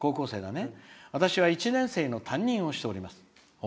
私は１年生の担任をしております。